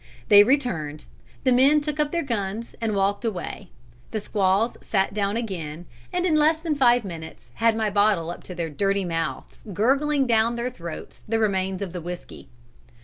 They returned, the men took up their guns and walked away. The squaws sat down again and in less than five minutes had my bottle up to their dirty mouths, gurgling down their throats the remains of the whiskey.